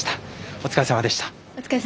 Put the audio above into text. お疲れさまです。